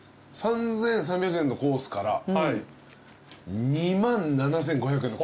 ３，３００円のコースから２万７，５００円のコース。